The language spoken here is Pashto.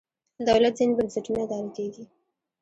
دولت ځینې بنسټونه اداره کېږي.